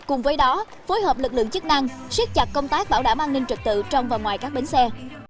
cùng với đó phối hợp lực lượng chức năng siết chặt công tác bảo đảm an ninh trực tự trong và ngoài các bến xe